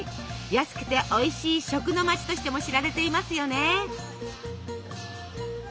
安くておいしい食の街としても知られていますよね。